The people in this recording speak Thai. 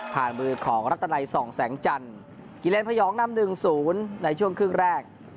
ผ่านมือของรักษณัยส่องแสงจันทร์กิเลนพยองนำหนึ่งศูนย์ในช่วงครึ่งแรก